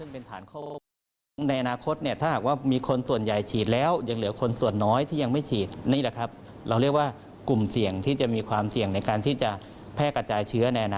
พูดถึงในอนาคตที่ไม่ยอมฉีดวัคซีน